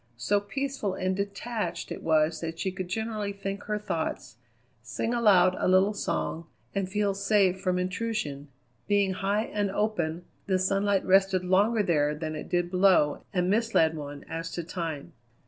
So peaceful and detached it was that she could generally think her thoughts, sing aloud a little song, and feel safe from intrusion. Being high and open, the sunlight rested longer there than it did below and misled one as to time.